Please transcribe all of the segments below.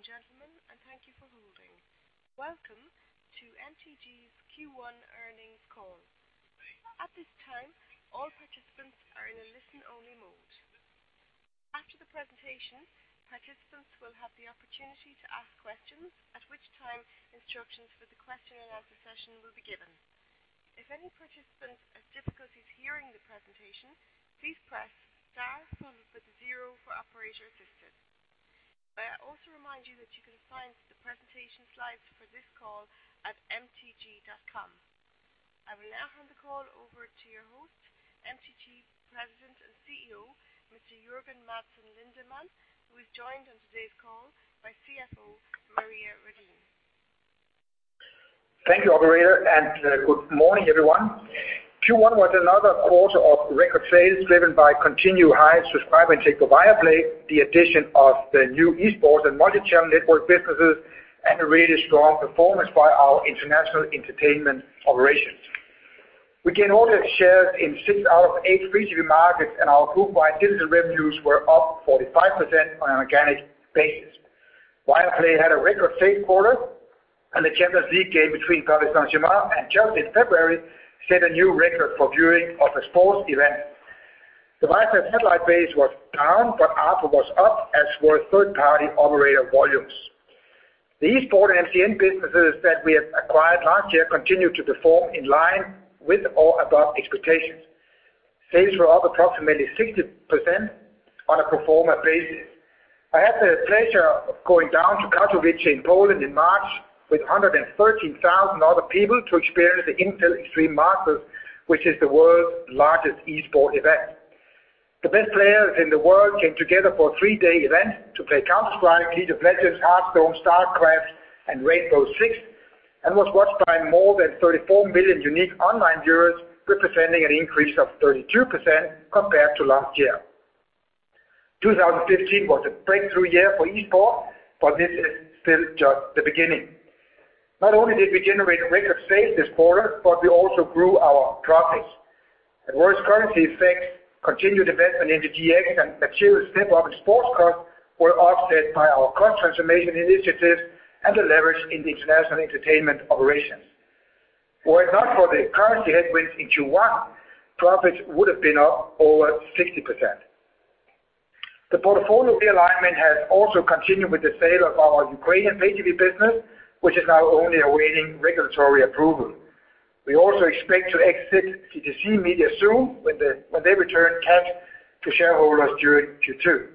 Good morning, ladies and gentlemen, and thank you for holding. Welcome to MTG's Q1 earnings call. At this time, all participants are in a listen-only mode. After the presentation, participants will have the opportunity to ask questions, at which time instructions for the question and answer session will be given. If any participants have difficulties hearing the presentation, please press star 0 for operator assistance. May I also remind you that you can find the presentation slides for this call at mtg.com. I will now hand the call over to your host, MTG President and CEO, Mr. Jørgen Madsen Lindemann, who is joined on today's call by CFO Maria Redin. Thank you, operator. Good morning, everyone. Q1 was another quarter of record sales driven by continued high subscriber intake for Viaplay, the addition of the new esports and MCN businesses, and a really strong performance by our international entertainment operations. We gained audience shares in six out of eight free-to-view markets. Our group-wide digital revenues were up 45% on an organic basis. Viaplay had a record sales quarter. The Champions League game between Paris Saint-Germain and Chelsea in February set a new record for viewing of a sports event. The Viaplay satellite base was down. ARPU was up, as were third-party operator volumes. The esports and MCN businesses that we have acquired last year continued to perform in line with or above expectations. Sales were up approximately 60% on a pro forma basis. I had the pleasure of going down to Katowice in Poland in March with 113,000 other people to experience the Intel Extreme Masters, which is the world's largest esports event. The best players in the world came together for a three-day event to play Counter-Strike, League of Legends, Hearthstone, StarCraft, and Rainbow Six. It was watched by more than 34 million unique online viewers, representing an increase of 32% compared to last year. 2015 was a breakthrough year for esports. This is still just the beginning. Not only did we generate record sales this quarter. We also grew our profits. Adverse currency effects, continued investment into MTGx, and a material step-up in sports costs were offset by our cost transformation initiatives and the leverage in the international entertainment operations. Were it not for the currency headwinds in Q1, profits would have been up over 60%. The portfolio realignment has also continued with the sale of our Ukrainian pay TV business, which is now only awaiting regulatory approval. We also expect to exit CTC Media soon, when they return cash to shareholders during Q2.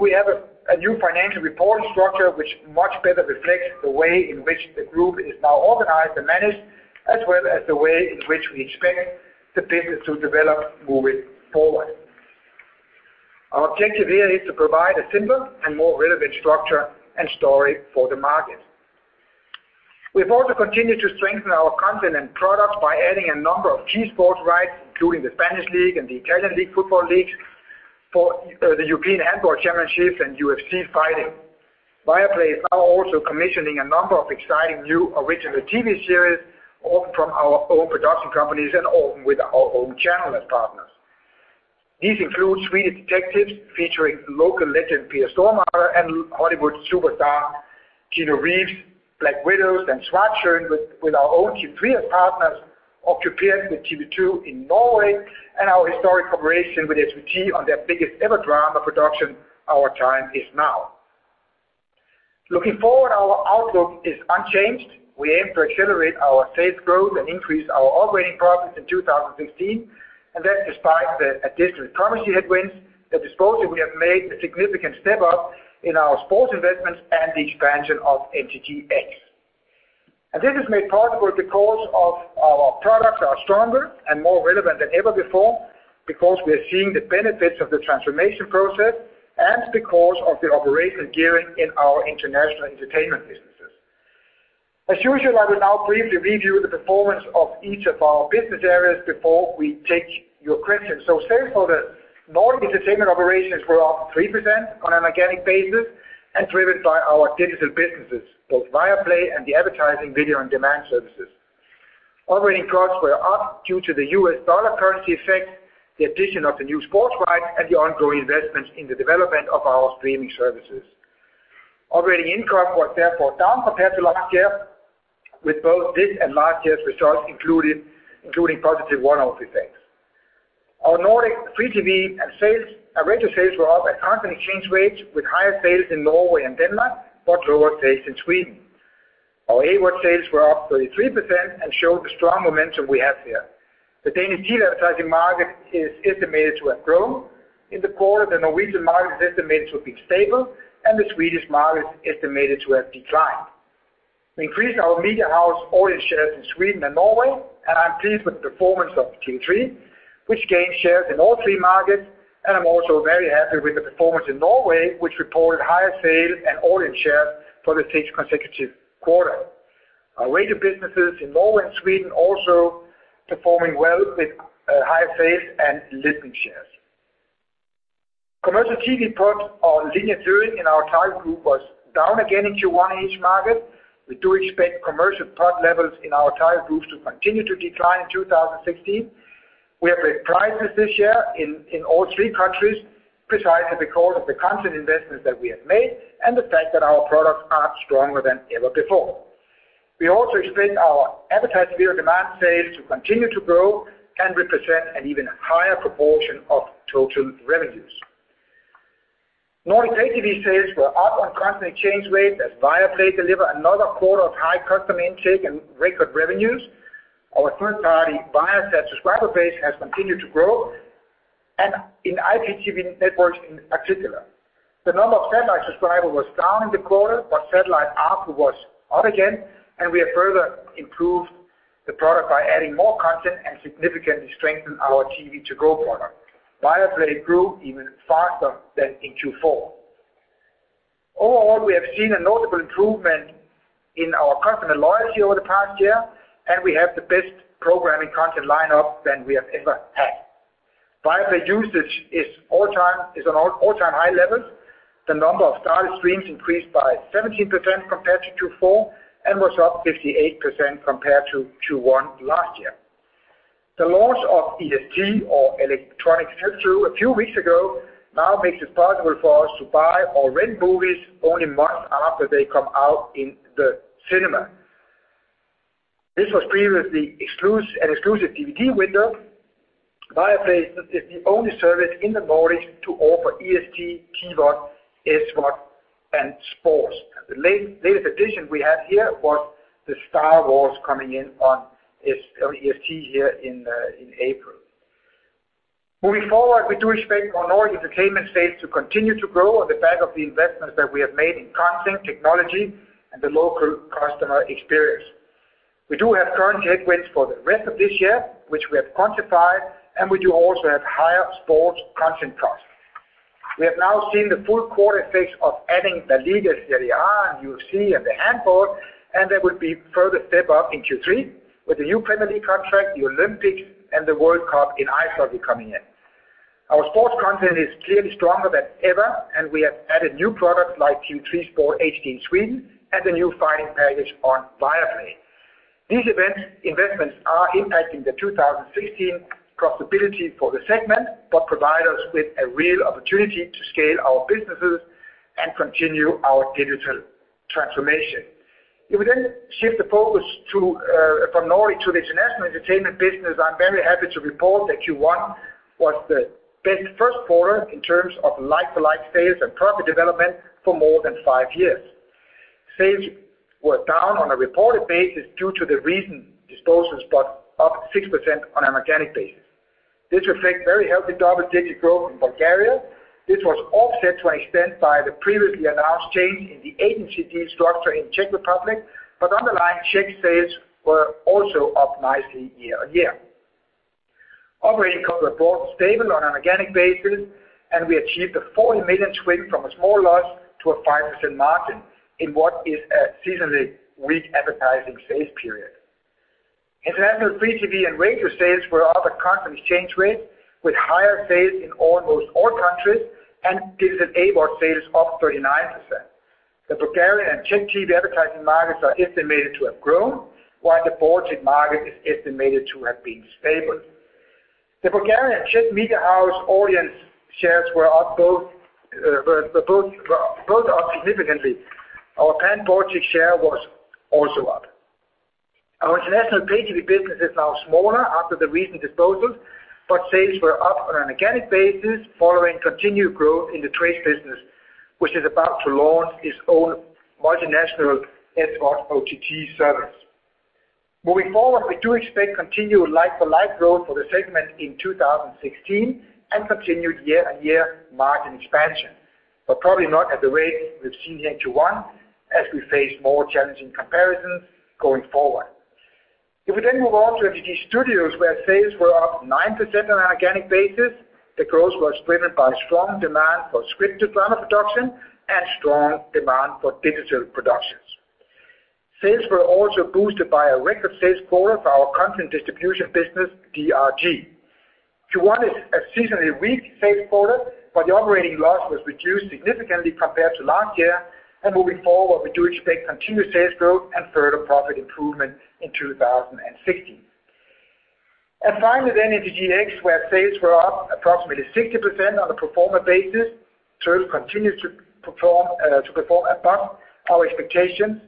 We have a new financial reporting structure which much better reflects the way in which the group is now organized and managed, as well as the way in which we expect the business to develop moving forward. Our objective here is to provide a simpler and more relevant structure and story for the market. We've also continued to strengthen our content and products by adding a number of key sports rights, including the Spanish League and the Italian League football leagues, the European Handball Championships, and UFC fighting. Viaplay is now also commissioning a number of exciting new original TV series, often from our own production companies and often with our own channel as partners. These include Swedish Dicks, featuring local legend Peter Stormare and Hollywood superstar Keanu Reeves, Black Widows and S.W.A.T., sharing with our own TV3 as partners, Occupied with TV 2 in Norway, and our historic cooperation with SVT on their biggest-ever drama production, Our Time Is Now. Looking forward, our outlook is unchanged. We aim to accelerate our sales growth and increase our operating profits in 2016, and that despite the additional currency headwinds, the disposals we have made, a significant step-up in our sports investments, and the expansion of MTGx. This is made possible because our products are stronger and more relevant than ever before, because we are seeing the benefits of the transformation process, and because of the operational gearing in our international entertainment businesses. As usual, I will now briefly review the performance of each of our business areas before we take your questions. Sales for the Nordic entertainment operations were up 3% on an organic basis and driven by our digital businesses, both Viaplay and the advertising video on-demand services. Operating costs were up due to the US dollar currency effect, the addition of the new sports rights, and the ongoing investments in the development of our streaming services. Operating income was therefore down compared to last year, with both this and last year's results including positive one-off effects. Our Nordic free TV average sales were up at constant exchange rates, with higher sales in Norway and Denmark, but lower sales in Sweden. Our AVOD sales were up 33% and show the strong momentum we have here. The Danish TV advertising market is estimated to have grown in the quarter, the Norwegian market is estimated to have been stable, and the Swedish market is estimated to have declined. We increased our media house audience shares in Sweden and Norway, and I'm pleased with the performance of TV3, which gained shares in all three markets, and I'm also very happy with the performance in Norway, which reported higher sales and audience shares for the sixth consecutive quarter. Our radio businesses in Norway and Sweden also performing well with higher sales and listening shares. Commercial TV PVT on linear viewing in our target group was down again in Q1 in each market. We do expect commercial PVT levels in our target groups to continue to decline in 2016. We have raised prices this year in all three countries, precisely because of the content investments that we have made and the fact that our products are stronger than ever before. We also expect our AVOD sales to continue to grow and represent an even higher proportion of total revenues. Nordic pay-TV sales were up on constant exchange rate as Viafree delivered another quarter of high customer intake and record revenues. Our third-party Viaccess subscriber base has continued to grow, and in IPTV networks in particular. The number of satellite subscribers was down in the quarter, but satellite ARPU was up again, and we have further improved the product by adding more content and significantly strengthened our TV To Go product. Viafree grew even faster than in Q4. Overall, we have seen a notable improvement in our customer loyalty over the past year, and we have the best programming content lineup than we have ever had. Viafree usage is on all-time high levels. The number of started streams increased by 17% compared to Q4 and was up 58% compared to Q1 last year. The launch of EST, or Electronic Sell Through, a few weeks ago now makes it possible for us to buy or rent movies only months after they come out in the cinema. This was previously an exclusive DVD window. Viafree is the only service in the Nordics to offer EST, TVOD, SVOD, and sports. The latest addition we have here was the Star Wars coming in on EST here in April. Moving forward, we do expect our Nordic entertainment sales to continue to grow on the back of the investments that we have made in content, technology, and the local customer experience. We do have current headwinds for the rest of this year, which we have quantified, and we do also have higher sports content costs. We have now seen the full quarter effects of adding LaLiga, Serie A, and UFC, and the handball, and there will be further step up in Q3 with the new Premier League contract, the Olympics, and the World Cup in ice hockey coming in. Our sports content is clearly stronger than ever, and we have added new products like C More Sport HD in Sweden and a new fighting package on Viafree. These investments are impacting the 2016 profitability for the segment, but provide us with a real opportunity to scale our businesses and continue our digital transformation. If we shift the focus from Nordic to the international entertainment business, I am very happy to report that Q1 was the best first quarter in terms of like-to-like sales and profit development for more than five years. Sales were down on a reported basis due to the recent disposals, but up 6% on an organic basis. This reflects very healthy double-digit growth in Bulgaria. This was offset to an extent by the previously announced change in the agency structure in Czech Republic, but underlying Czech sales were also up nicely year-on-year. Operating costs were broadly stable on an organic basis, we achieved 40 million from a small loss to a 5% margin in what is a seasonally weak advertising sales period. International free TV and radio sales were up on constant exchange rates, with higher sales in almost all countries and digital AVOD sales up 39%. The Bulgarian and Czech TV advertising markets are estimated to have grown, while the Baltic market is estimated to have been stable. The Bulgarian and Czech media house audience shares were both up significantly. Our pan-Baltic share was also up. Our international pay-TV business is now smaller after the recent disposals, but sales were up on an organic basis following continued growth in the Trace business, which is about to launch its own multinational SVOD service. Moving forward, we do expect continued like-for-like growth for the segment in 2016 and continued year-on-year margin expansion, but probably not at the rate we've seen here in Q1 as we face more challenging comparisons going forward. We move on to MTG Studios, where sales were up 9% on an organic basis, the growth was driven by strong demand for scripted drama production and strong demand for digital productions. Sales were also boosted by a record sales quarter for our content distribution business, DRG. Q1 is a seasonally weak sales quarter, but the operating loss was reduced significantly compared to last year. Moving forward, we do expect continued sales growth and further profit improvement in 2016. Finally, MTGx, where sales were up approximately 60% on a pro forma basis. Turtle continued to perform above our expectations.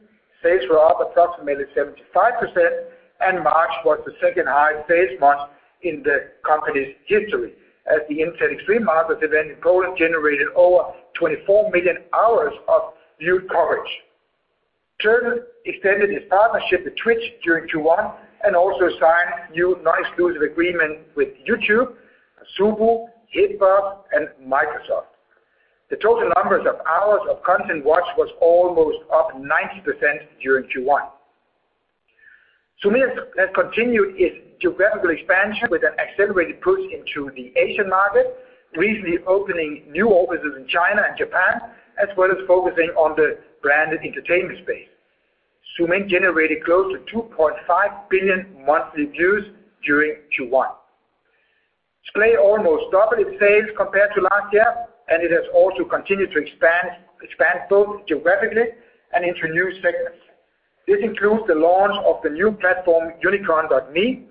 Sales were up approximately 75%. March was the second highest sales month in the company's history, as the Intel Extreme Masters event in Poland generated over 24 million hours of viewed coverage. Turtle extended its partnership with Twitch during Q1 and also signed new non-exclusive agreement with YouTube, Subaru, Hitbox, and Microsoft. The total numbers of hours of content watched was almost up 90% during Q1. Zoomin.TV has continued its geographical expansion with an accelerated push into the Asian market, recently opening new offices in China and Japan, as well as focusing on the branded entertainment space. Zoomin.TV generated close to 2.5 billion monthly views during Q1. Splay almost doubled its sales compared to last year. It has also continued to expand both geographically and into new segments. This includes the launch of the new platform unicorn.me,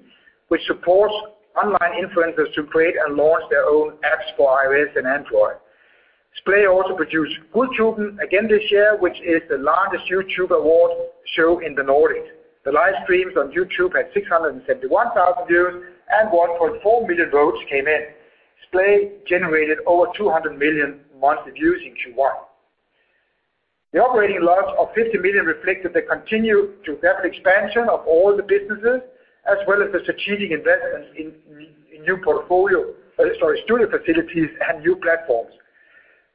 which supports online influencers to create and launch their own apps for iOS and Android. Splay also produced Guldtuben again this year, which is the largest YouTube award show in the Nordic. The live streams on YouTube had 671,000 views. 1.4 million votes came in. Splay generated over 200 million monthly views in Q1. The operating loss of 50 million reflected the continued geographic expansion of all the businesses, as well as the strategic investments in new studio facilities and new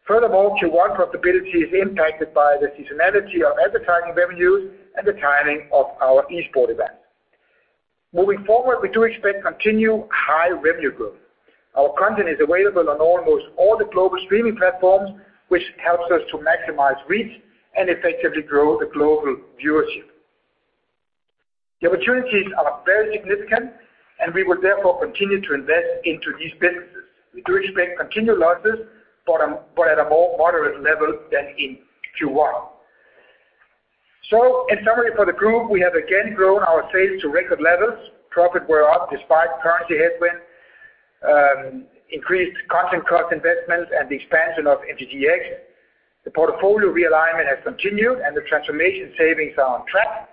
platforms. Q1 profitability is impacted by the seasonality of advertising revenues and the timing of our esport event. Moving forward, we do expect continued high revenue growth. Our content is available on almost all the global streaming platforms, which helps us to maximize reach and effectively grow the global viewership. The opportunities are very significant. We will therefore continue to invest into these businesses. We do expect continued losses, but at a more moderate level than in Q1. In summary for the group, we have again grown our sales to record levels. Profit were up despite currency headwind, increased content cost investments, the expansion of MTGx. The portfolio realignment has continued. The transformation savings are on track.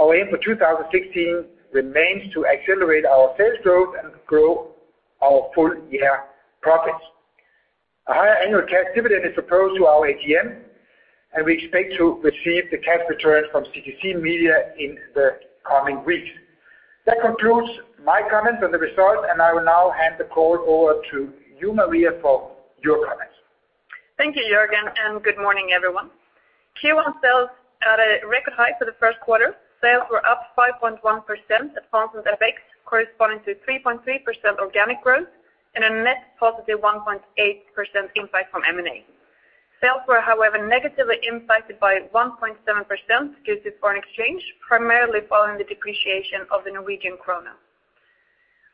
Our aim for 2016 remains to accelerate our sales growth and grow our full-year profits. A higher annual cash dividend is proposed to our AGM. We expect to receive the cash returns from CTC Media in the coming weeks. That concludes my comments on the results. I will now hand the call over to you, Maria, for your comments. Thank you, Jørgen, and good morning, everyone. Q1 sales at a record high for the first quarter. Sales were up 5.1% at constant FX, corresponding to 3.3% organic growth and a net positive 1.8% impact from M&A. Sales were, however, negatively impacted by 1.7% due to foreign exchange, primarily following the depreciation of the Norwegian krone.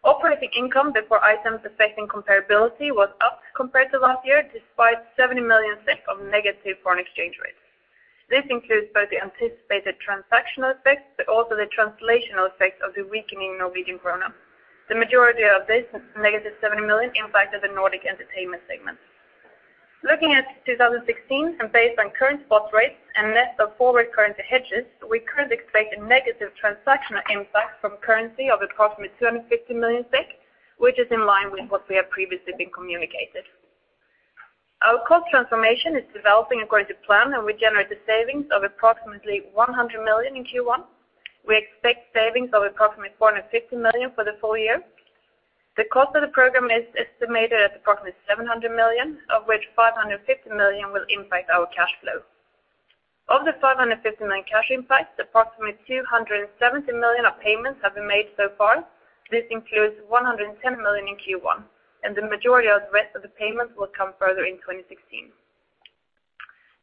Operating income before items affecting comparability was up compared to last year, despite 70 million of negative foreign exchange rates. This includes both the anticipated transactional effects but also the translational effects of the weakening Norwegian krone. The majority of this negative 70 million impacted the Nordic entertainment segment. Looking at 2016 and based on current spot rates and net of forward currency hedges, we currently expect a negative transactional impact from currency of approximately 250 million SEK, which is in line with what we have previously been communicated. Our cost transformation is developing according to plan, we generated savings of approximately 100 million in Q1. We expect savings of approximately 450 million for the full year. The cost of the program is estimated at approximately 700 million, of which 550 million will impact our cash flow. Of the 550 million cash impact, approximately 270 million of payments have been made so far. This includes 110 million in Q1, the majority of the rest of the payments will come further in 2016.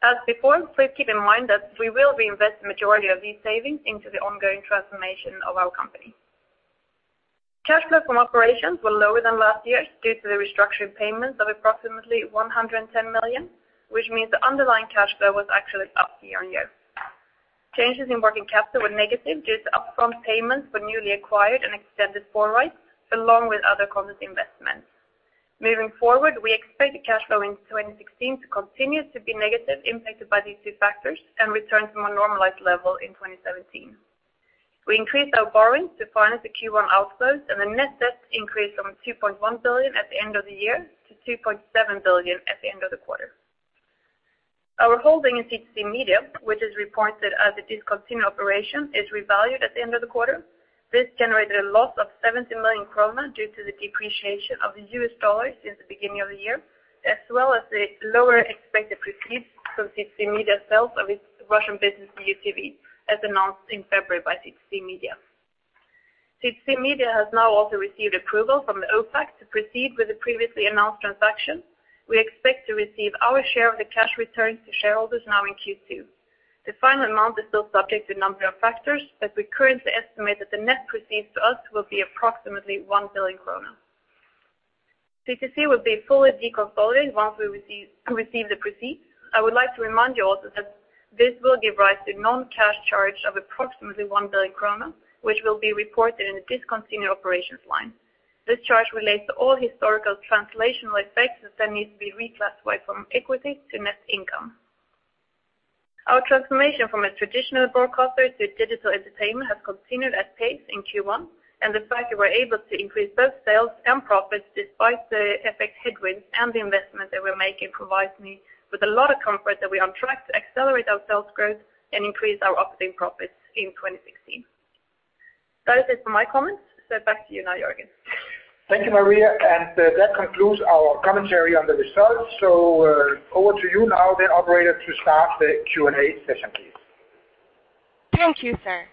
As before, please keep in mind that we will reinvest the majority of these savings into the ongoing transformation of our company. Cash flow from operations were lower than last year's due to the restructuring payments of approximately 110 million, which means the underlying cash flow was actually up year-on-year. Changes in working capital were negative due to upfront payments for newly acquired and extended rights, along with other content investments. Moving forward, we expect the cash flow in 2016 to continue to be negative, impacted by these two factors, and return to a more normalized level in 2017. We increased our borrowing to finance the Q1 outflows, the net debt increased from 2.1 billion at the end of the year to 3.7 billion at the end of the quarter. Our holding in CTC Media, which is reported as a discontinued operation, is revalued at the end of the quarter. This generated a loss of 70 million kronor due to the depreciation of the US dollar since the beginning of the year, as well as the lower expected proceeds from CTC Media sales of its Russian business, UTH Russia, as announced in February by CTC Media. CTC Media has now also received approval from the OFAC to proceed with the previously announced transaction. We expect to receive our share of the cash returns to shareholders now in Q2. The final amount is still subject to a number of factors, we currently estimate that the net proceeds to us will be approximately 1 billion krona. CTC will be fully deconsolidated once we receive the proceeds. I would like to remind you also that this will give rise to a non-cash charge of approximately 1 billion krona, which will be reported in the discontinued operations line. This charge relates to all historical translational effects that need to be reclassified from equity to net income. Our transformation from a traditional broadcaster to digital entertainment has continued at pace in Q1. The fact that we're able to increase both sales and profits despite the FX headwinds and the investment that we're making provides me with a lot of comfort that we are on track to accelerate our sales growth and increase our operating profits in 2016. That is it for my comments, back to you now, Jørgen. Thank you, Maria. That concludes our commentary on the results. Over to you now, the operator, to start the Q&A session, please. Thank you, sir.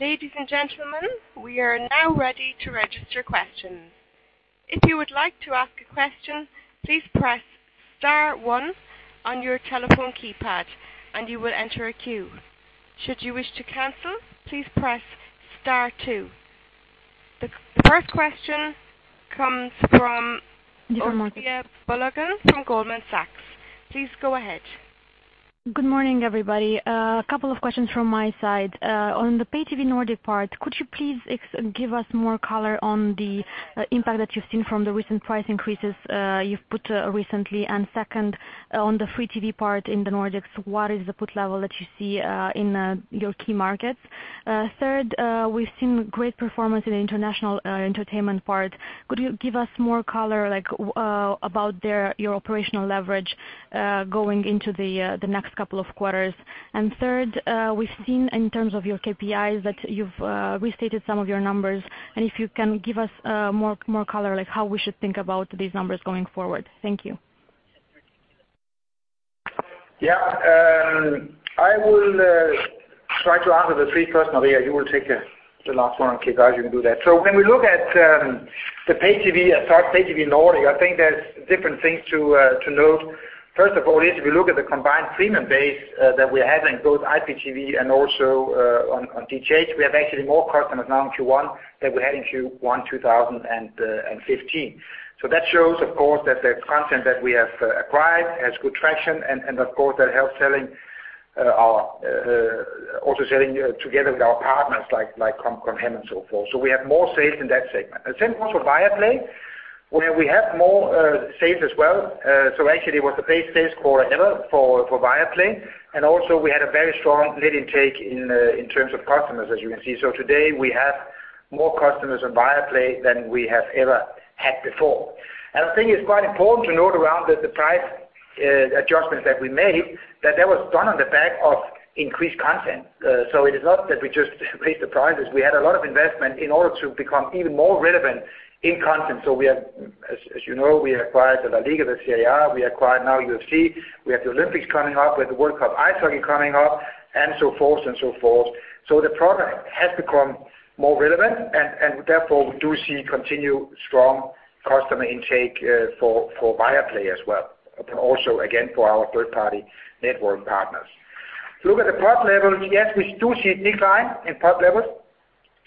Ladies and gentlemen, we are now ready to register questions. If you would like to ask a question, please press star one on your telephone keypad, and you will enter a queue. Should you wish to cancel, please press star two. The first question comes from Maria Bullock from Goldman Sachs. Please go ahead. Good morning, everybody. A couple of questions from my side. On the pay TV Nordic part, could you please give us more color on the impact that you've seen from the recent price increases you've put recently? Second, on the free TV part in the Nordics, what is the put level that you see in your key markets? Third, we've seen great performance in the international entertainment part. Could you give us more color about your operational leverage going into the next couple of quarters? Third, we've seen in terms of your KPIs that you've restated some of your numbers, and if you can give us more color, like how we should think about these numbers going forward. Thank you. I will try to answer the 3 first, Maria. You will take the last one on KPIs. You can do that. When we look at the pay TV, I start pay TV Nordic, I think there is different things to note. First of all, if you look at the combined premium base that we have in both IPTV and also on DTH, we have actually more customers now in Q1 than we had in Q1 2015. That shows, of course, that the content that we have acquired has good traction, and of course, that help selling our also selling together with our partners like Com Hem and so forth. We have more sales in that segment. The same goes for Viaplay, where we have more sales as well. Actually it was the best sales quarter ever for Viaplay. Also we had a very strong lead intake in terms of customers, as you can see. Today we have more customers on Viaplay than we have ever had before. I think it is quite important to note around the price adjustments that we made, that that was done on the back of increased content. It is not that we just raised the prices. We had a lot of investment in order to become even more relevant in content. We have, as you know, we acquired LaLiga, Serie A, we acquired now UFC, we have the Olympics coming up. We have the World Cup ice hockey coming up and so forth. The product has become more relevant and therefore we do see continued strong customer intake for Viaplay as well. Also, again, for our third-party network partners. If you look at the PVT level, yes, we do see a decline in PVT levels.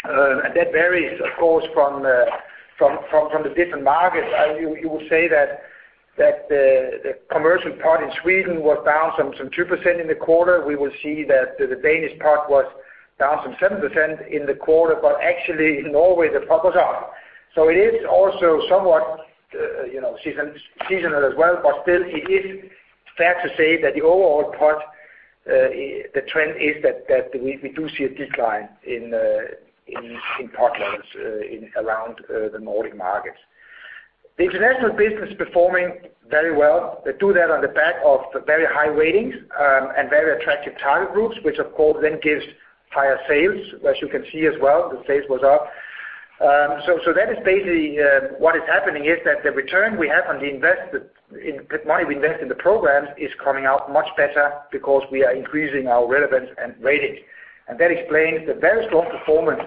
That varies, of course, from the different markets. You will say that the commercial PVT in Sweden was down some 2% in the quarter. We will see that the Danish PVT was down some 7% in the quarter, but actually in Norway, the PVT was up. It is also somewhat seasonal as well. Still, it is fair to say that the overall PVT, the trend is that we do see a decline in PVT levels around the Nordic markets. The international business is performing very well. They do that on the back of very high ratings and very attractive target groups, which of course then gives higher sales. As you can see as well, the sales were up. That is basically what is happening is that the return we have on the money we invest in the programs is coming out much better because we are increasing our relevance and ratings. That explains the very strong performance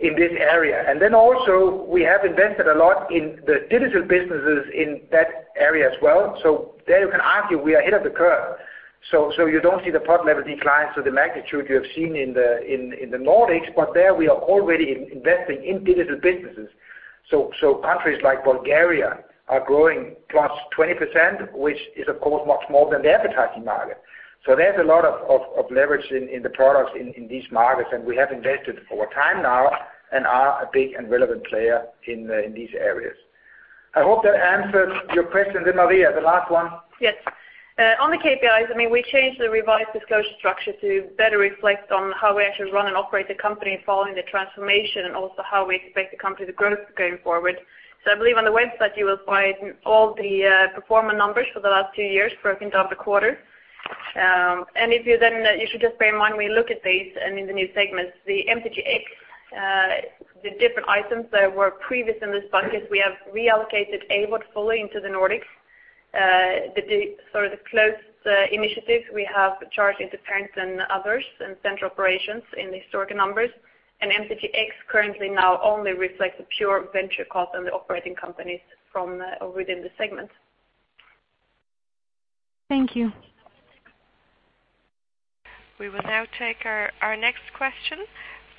in this area. Also we have invested a lot in the digital businesses in that area as well. There you can argue we are ahead of the curve. You don't see the PVT level declines to the magnitude you have seen in the Nordics. There we are already investing in digital businesses. Countries like Bulgaria are growing +20%, which is of course much more than the advertising market. There is a lot of leverage in the products in these markets, and we have invested over time now and are a big and relevant player in these areas. I hope that answers your question. Maria, the last one. Yes. On the KPIs, we changed the revised disclosure structure to better reflect on how we actually run and operate the company following the transformation and also how we expect the company to growth going forward. I believe on the website you will find all the performance numbers for the last two years broken down by quarter. If you should just bear in mind when you look at these and in the new segments, the MTGx, the different items that were previous in this bucket, we have reallocated AVOD fully into the Nordics. The sort of the close initiatives we have charged into parent and others and central operations in the historic numbers and MTGx currently now only reflects the pure venture costs and the operating companies from within the segment. Thank you. We will now take our next question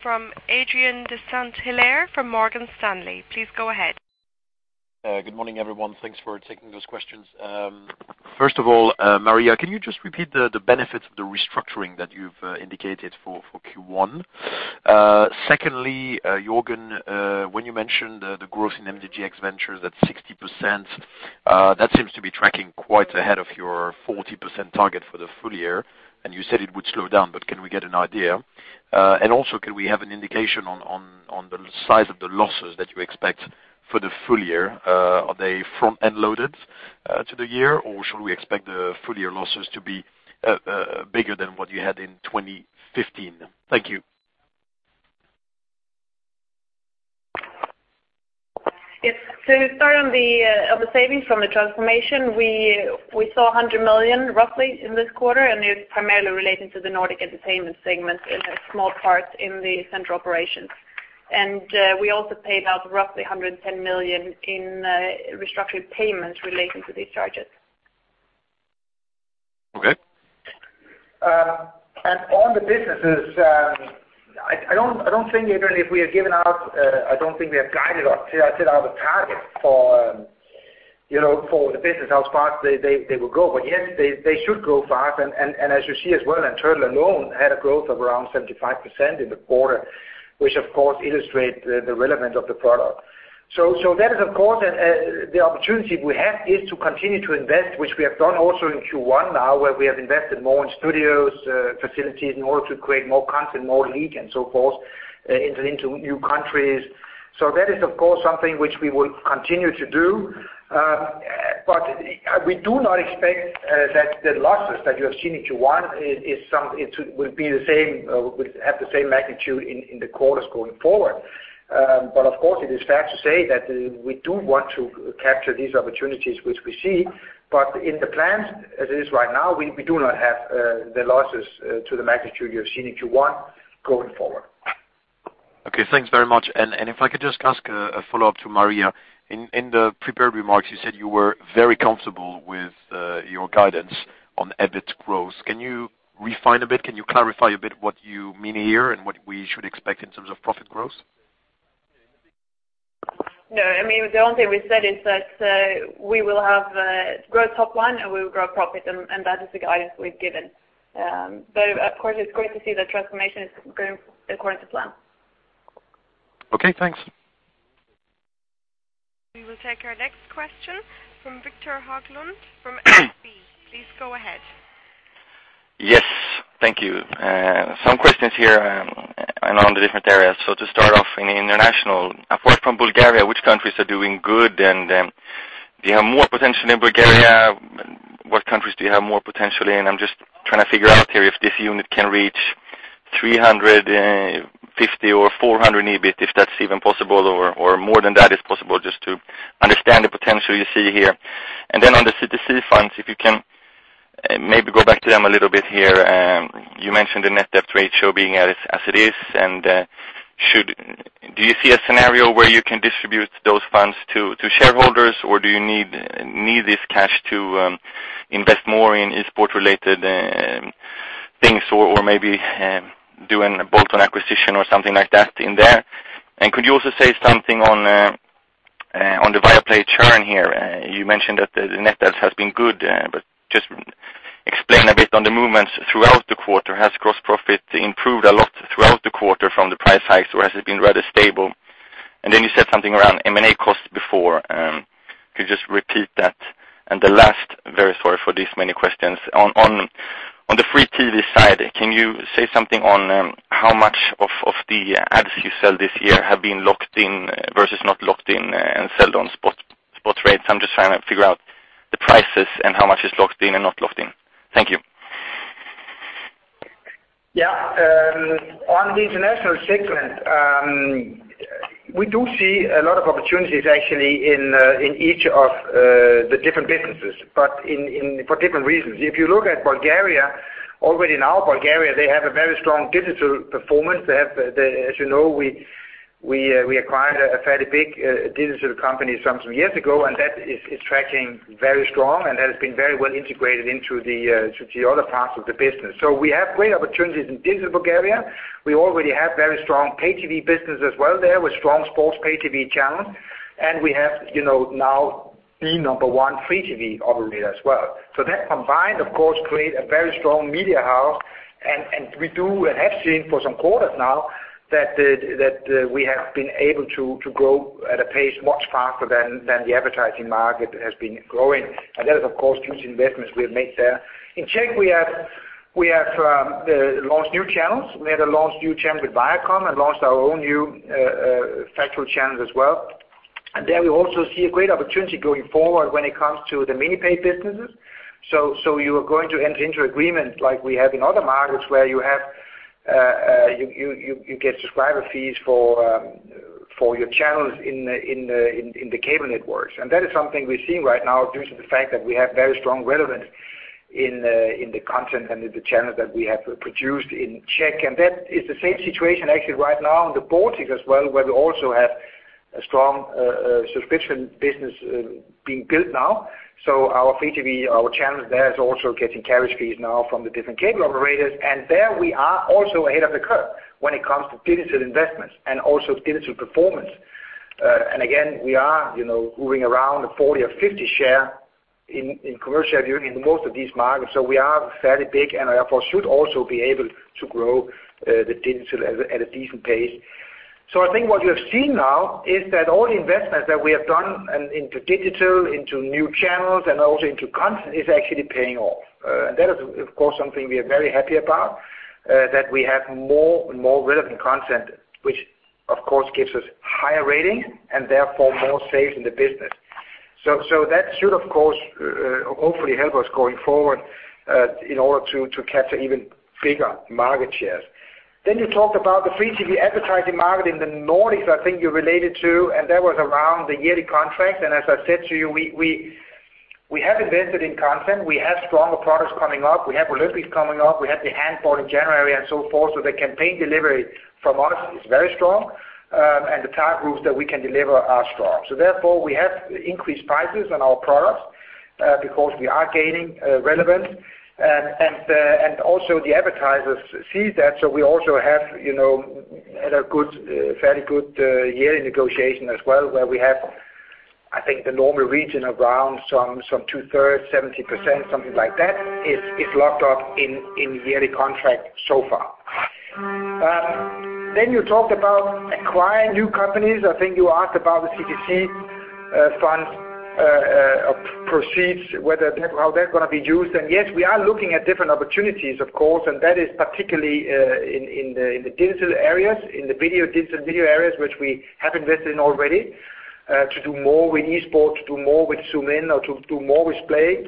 from Adrien de Saint Hilaire from Morgan Stanley. Please go ahead. Good morning, everyone. Thanks for taking those questions. First of all, Maria, can you just repeat the benefits of the restructuring that you've indicated for Q1? Secondly, Jørgen, when you mentioned the growth in MTGx Ventures at 60%, that seems to be tracking quite ahead of your 40% target for the full year, and you said it would slow down, but can we get an idea? Also can we have an indication on the size of the losses that you expect for the full year? Are they front-end loaded to the year, or should we expect the full year losses to be bigger than what you had in 2015? Thank you. Yes. To start on the savings from the transformation, we saw roughly 100 million in this quarter, and it is primarily relating to the Nordic Entertainment segment and a small part in the central operations. We also paid out roughly 110 million in restructuring payments relating to these charges. Okay. On the businesses, I don't think, Adrien, if we have given out, I don't think we have guided or set out a target for the business, how fast they will go. Yes, they should grow fast, and as you see as well, Turtle alone had a growth of around 75% in the quarter, which of course illustrates the relevance of the product. That is, of course, the opportunity we have is to continue to invest, which we have done also in Q1 now, where we have invested more in studios, facilities in order to create more content, more League and so forth, into new countries. That is, of course, something which we will continue to do. We do not expect that the losses that you have seen in Q1 will have the same magnitude in the quarters going forward. Of course, it is fair to say that we do want to capture these opportunities which we see, in the plans, as it is right now, we do not have the losses to the magnitude you have seen in Q1 going forward. Okay, thanks very much. If I could just ask a follow-up to Maria. In the prepared remarks, you said you were very comfortable with your guidance on EBIT growth. Can you refine a bit? Can you clarify a bit what you mean here and what we should expect in terms of profit growth? No, the only thing we said is that we will have growth top line, we will grow profit. That is the guidance we have given. Of course, it is great to see that transformation is going according to plan. Okay, thanks. We will take our next question from Viktor Haglund from ABG. Please go ahead. Yes. Thank you. Some questions here around the different areas. To start off in international, apart from Bulgaria, which countries are doing good? Do you have more potential than Bulgaria? What countries do you have more potentially in? I am just trying to figure out here if this unit can reach 350 or 400 EBIT, if that is even possible, or more than that is possible, just to understand the potential you see here. On the CTC funds, if you can maybe go back to them a little bit here. You mentioned the net debt ratio being as it is. Do you see a scenario where you can distribute those funds to shareholders, or do you need this cash to invest more in esport-related things or maybe do a bolt-on acquisition or something like that in there? Could you also say something on the Viaplay churn here? You mentioned that the net debt has been good, just explain a bit on the movements throughout the quarter. Has gross profit improved a lot throughout the quarter from the price hikes, or has it been rather stable? You said something around M&A costs before. Could you just repeat that? The last, very sorry for these many questions. On the free TV side, can you say something on how much of the ads you sell this year have been locked in versus not locked in and sold on spot rates? I'm just trying to figure out the prices and how much is locked in and not locked in. Thank you. On the international segment, we do see a lot of opportunities actually in each of the different businesses, for different reasons. If you look at Bulgaria, already now Bulgaria, they have a very strong digital performance. As you know, we acquired a fairly big digital company some years ago, that is tracking very strong and has been very well integrated into the other parts of the business. We have great opportunities in digital Bulgaria. We already have very strong pay TV business as well there with strong sports pay TV channels, we have now the number one free TV operator as well. That combined, of course, create a very strong media house, we do, and have seen for some quarters now that we have been able to grow at a pace much faster than the advertising market has been growing. That is, of course, due to investments we have made there. In Czech, we have launched new channels. We either launched new channels with Viacom and launched our own new factual channels as well. There we also see a great opportunity going forward when it comes to the mini pay businesses. You are going to enter into agreement like we have in other markets where you get subscriber fees for your channels in the cable networks. That is something we're seeing right now due to the fact that we have very strong relevance in the content and in the channels that we have produced in Czech. That is the same situation actually right now in the Baltics as well, where we also have a strong subscription business being built now. Our free TV, our channels there is also getting carriage fees now from the different cable operators, there we are also ahead of the curve when it comes to digital investments and also digital performance. Again, we are moving around the 40% or 50% share in commercial viewing in most of these markets. We are fairly big therefore should also be able to grow the digital at a decent pace. I think what you have seen now is that all the investments that we have done into digital, into new channels, also into content is actually paying off. That is, of course, something we are very happy about, that we have more and more relevant content, which of course, gives us higher ratings and therefore more sales in the business. That should, of course, hopefully help us going forward, in order to capture even bigger market shares. You talked about the free TV advertising market in the Nordics, I think you related to, and that was around the yearly contract. As I said to you, we have invested in content. We have stronger products coming up. We have the Olympics coming up. We have the handball in January and so forth. The campaign delivery from us is very strong, and the target groups that we can deliver are strong. Therefore, we have increased prices on our products, because we are gaining relevance. Also the advertisers see that. We also had a fairly good yearly negotiation as well, where we have, I think, the normal region around some two-thirds, 70%, something like that, is locked up in yearly contract so far. You talked about acquiring new companies. I think you asked about the CTC fund proceeds, how they're going to be used. Yes, we are looking at different opportunities, of course, and that is particularly in the digital areas, in the video digital media areas, which we have invested in already, to do more with esports, to do more with Zoomin.TV, or to do more with Splay.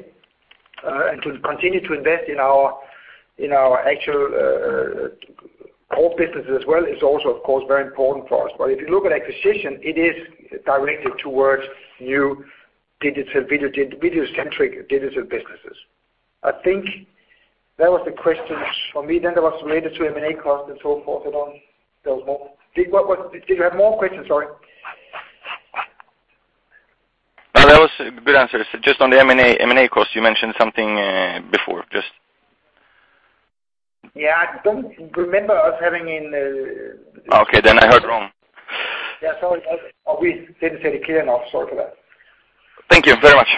To continue to invest in our actual core business as well is also, of course, very important for us. If you look at acquisition, it is directed towards new digital video-centric digital businesses. I think that was the questions from me. There was related to M&A cost and so forth. I don't know if there was more. Did you have more questions? Sorry. No, that was a good answer. Just on the M&A cost, you mentioned something before. I don't remember us having any Okay, I heard wrong. Yeah, sorry. We didn't say it clear enough. Sorry for that. Thank you very much.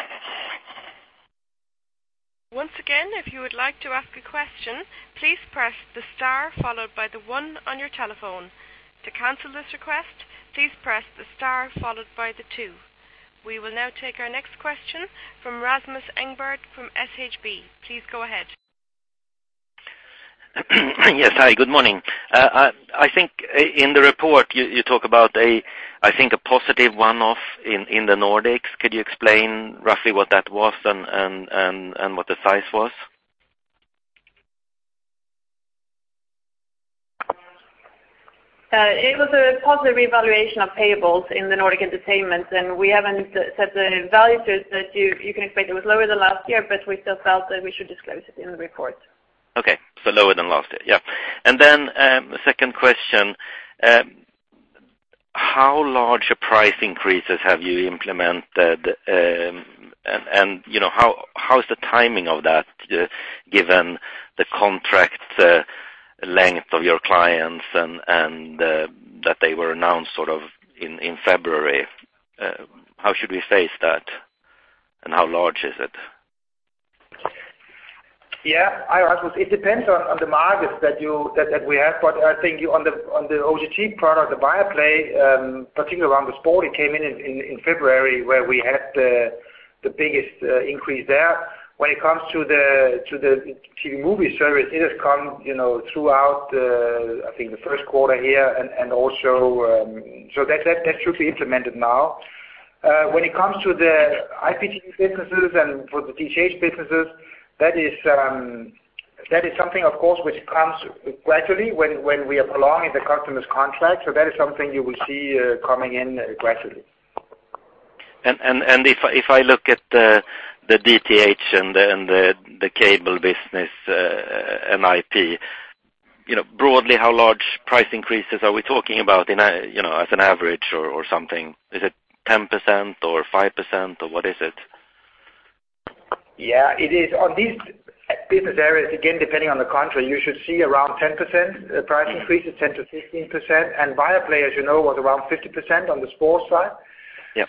Once again, if you would like to ask a question, please press the star followed by the one on your telephone. To cancel this request, please press the star followed by the two. We will now take our next question from Rasmus Engberg from Handelsbanken. Please go ahead. Yes, hi, good morning. I think in the report you talk about, I think a positive one-off in the Nordics. Could you explain roughly what that was and what the size was? It was a positive revaluation of payables in the Nordic Entertainment, we haven't set the value to it that you can expect. It was lower than last year, we still felt that we should disclose it in the report. Okay. Lower than last year. Yeah. The second question. How large price increases have you implemented? How is the timing of that given the contract length of your clients and that they were announced sort of in February? How should we face that, how large is it? Yeah. It depends on the markets that we have. I think on the OTT product, the Viaplay, particularly around the sport, it came in in February, where we had the biggest increase there. When it comes to the movie service, it has come throughout, I think, the first quarter here. That should be implemented now. When it comes to the IPT businesses and for the DTH businesses, that is something, of course, which comes gradually when we are along in the customer's contract. That is something you will see coming in gradually. If I look at the DTH and the cable business, MIP, broadly, how large price increases are we talking about as an average or something? Is it 10% or 5% or what is it? Yeah. It is on these business areas, again, depending on the country, you should see around 10%. Price increase is 10%-15%. Viaplay, as you know, was around 50% on the sports side- Yep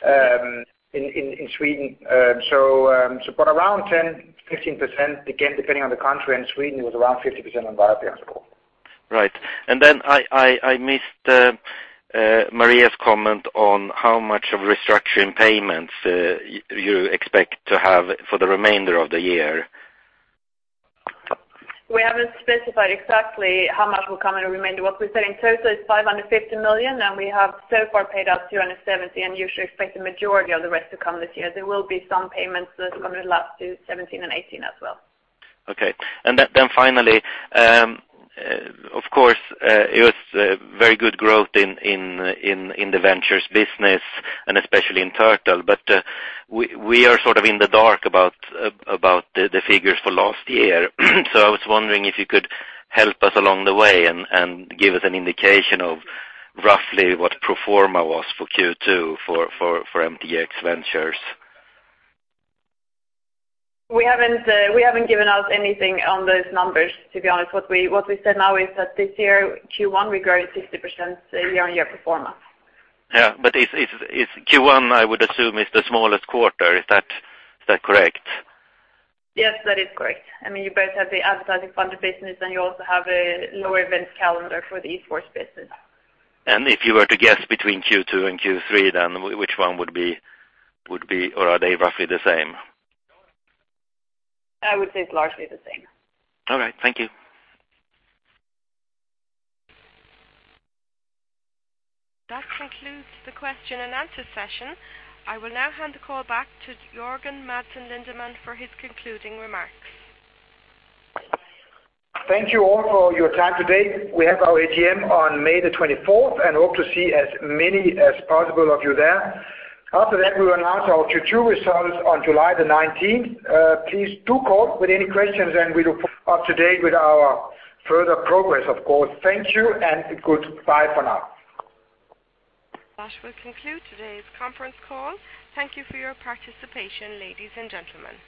in Sweden. Around 10%-15%, again, depending on the country. In Sweden, it was around 50% on Viaplay, that's all. Right. Then I missed Maria's comment on how much of restructuring payments you expect to have for the remainder of the year. We haven't specified exactly how much will come in the remainder. What we said in total is 550 million, we have so far paid out 270, you should expect the majority of the rest to come this year. There will be some payments that will overlap to 2017 and 2018 as well. Okay. Finally, of course, it was very good growth in the ventures business and especially in Turtle. We are sort of in the dark about the figures for last year. I was wondering if you could help us along the way and give us an indication of roughly what pro forma was for Q2 for MTGx ventures. We haven't given out anything on those numbers, to be honest. What we said now is that this year, Q1, we grew 60% year-over-year pro forma. Yeah. Q1, I would assume, is the smallest quarter. Is that correct? Yes, that is correct. You both have the advertising funded business and you also have a lower events calendar for the esports business. If you were to guess between Q2 and Q3, then which one would be, or are they roughly the same? I would say it's largely the same. All right. Thank you. That concludes the question and answer session. I will now hand the call back to Jørgen Madsen Lindemann for his concluding remarks. Thank you all for your time today. We have our AGM on May the 24th and hope to see as many as possible of you there. After that, we will announce our Q2 results on July the 19th. Please do call with any questions, and we look up to date with our further progress, of course. Thank you, and goodbye for now. That will conclude today's conference call. Thank you for your participation, ladies and gentlemen.